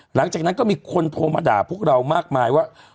หลังจากนั้นก็มีคนโทรมาด่าพวกเรามากมายว่า